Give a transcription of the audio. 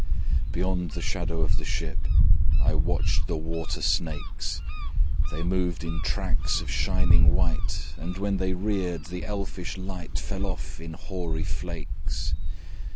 Beyond the shadow of the ship, I watched the water snakes: They moved in tracks of shining white, And when they reared, the elfish light Fell off in hoary flakes.